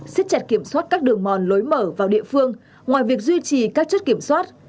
xích chặt kiểm soát các đường mòn lối mở vào địa phương ngoài việc duy trì các chốt kiểm soát